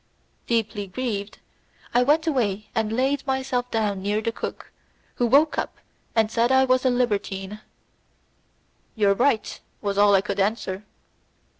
Deeply grieved, I went away and laid myself down near the cook, who woke up and said I was a libertine. "You are right," was all I could answer.